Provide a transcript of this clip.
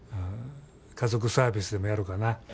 家族サービスでもやろかな。